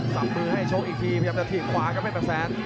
สำมือให้โชคอีกทีพยายามจะทีมขวากับแฟนแฟนแซน